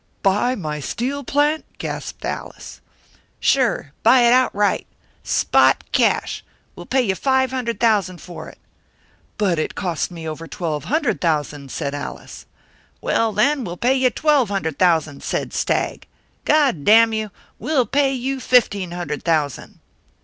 "'Buy my steel plant!' gasped Allis. "'Sure, buy it outright! Spot cash! We'll pay you five hundred thousand for it.' "'But it cost me over twelve hundred thousand,' said Allis. "'Well, then, we'll pay you twelve hundred thousand,' said Stagg 'God damn you, we'll pay you fifteen hundred thousand!'